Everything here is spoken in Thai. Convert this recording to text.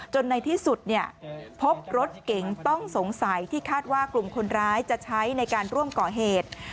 ในที่สุดพบรถเก๋งต้องสงสัยที่คาดว่ากลุ่มคนร้ายจะใช้ในการร่วมก่อเหตุ